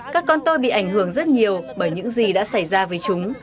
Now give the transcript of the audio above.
các con tôi bị ảnh hưởng rất nhiều bởi những gì đã xảy ra với chúng